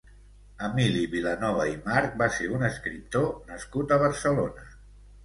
Emili Vilanova i March va ser un escriptor nascut a Barcelona.